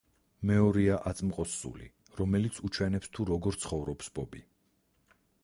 მეორეა აწმყოს სული, რომელიც უჩვენებს თუ როგორ ცხოვრობს ბობი.